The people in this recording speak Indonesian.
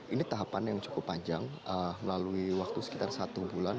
ini tahapan yang cukup panjang melalui waktu sekitar satu bulan